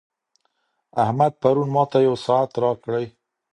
احمد پرون ماته یو ساعت راکړی.